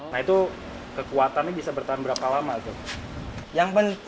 nah itu kekuatannya bisa bertahan berapa lama tuh